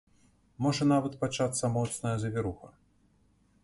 Можа нават пачацца моцная завіруха.